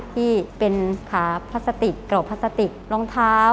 ที่เป็นขาพลาสติกเกราะพลาสติกรองเท้า